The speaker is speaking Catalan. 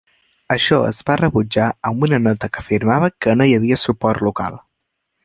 Això es va rebutjar amb una nota que afirmava que no hi havia suport local.